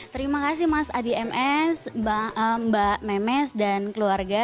terima kasih mas adi ms mbak memes dan keluarga